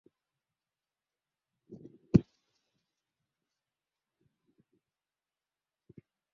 Sentensi nyingi sana